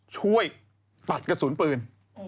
ช่วยตัดกระสุนปืน